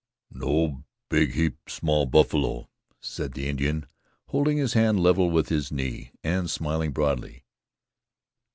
"No big heap small buffalo," said the Indian, holding his hand level with his knee, and smiling broadly.